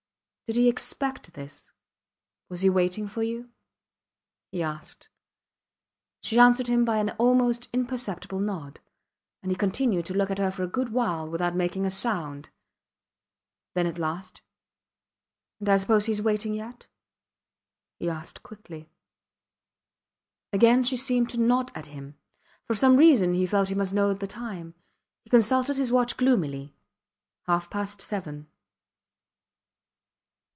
Did he expect this? Was he waiting for you? he asked. She answered him by an almost imperceptible nod, and he continued to look at her for a good while without making a sound. Then, at last And I suppose he is waiting yet? he asked, quickly. Again she seemed to nod at him. For some reason he felt he must know the time. He consulted his watch gloomily. Half past seven.